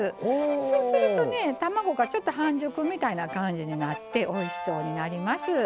そうすると、卵がちょっと半熟みたいな感じになっておいしそうになります。